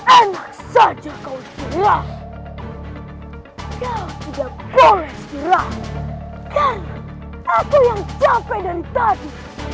enak saja kau istirahat kau tidak boleh istirahat karena aku yang capek dari tadi